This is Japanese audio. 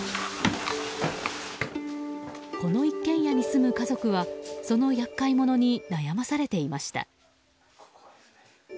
この一軒家に住む家族はその厄介者に悩まされていました。